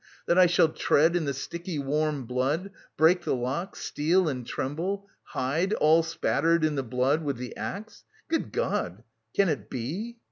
that I shall tread in the sticky warm blood, break the lock, steal and tremble; hide, all spattered in the blood... with the axe.... Good God, can it be?"